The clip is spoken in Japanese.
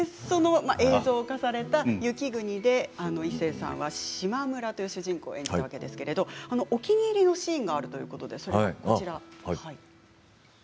その映像化された「雪国」で、一生さんは島村という主人公を演じるわけですがお気に入りのシーンがあるということです。